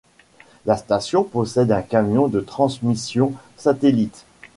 La station possède un camion de transmission satellite.